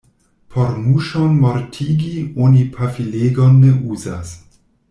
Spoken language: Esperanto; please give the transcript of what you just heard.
Por muŝon mortigi, oni pafilegon ne uzas.